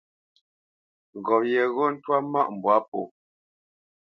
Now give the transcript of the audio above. Ŋgop yeghó ntwá mâʼ mbwǎ pō.